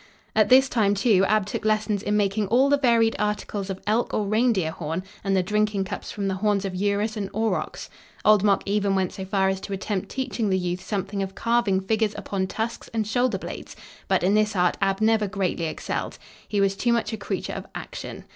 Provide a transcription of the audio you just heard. At this time, too, Ab took lessons in making all the varied articles of elk or reindeer horn and the drinking cups from the horns of urus and aurochs. Old Mok even went so far as to attempt teaching the youth something of carving figures upon tusks and shoulder blades, but in this art Ab never greatly excelled. He was too much a creature of action.